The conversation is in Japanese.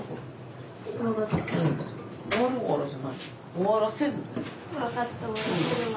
終わらせるの。